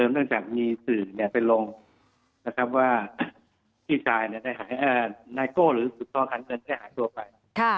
เติมดังจากมีสื่อไปลงว่าพี่ชายนายโก้หรือสุทธารทันเงินได้หายตัวไป